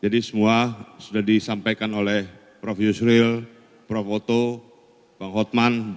jadi semua sudah disampaikan oleh prof yusril prof oto pak hotman